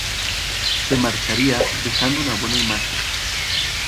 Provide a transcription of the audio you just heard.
Se marcharía dejando una buena imagen.